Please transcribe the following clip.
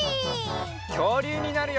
きょうりゅうになるよ！